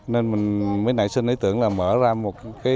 nên mình mới nảy sinh ý tưởng là mở ra một cái